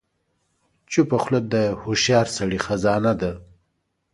چپه خوله، د هوښیار سړي خزانه ده.